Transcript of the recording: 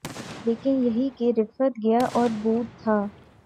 لیکن یہی کہ رفت، گیا اور بود تھا